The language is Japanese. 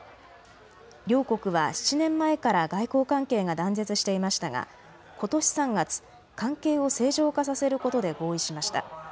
両国は７年前から外交関係が断絶していましたが、ことし３月、関係を正常化させることで合意しました。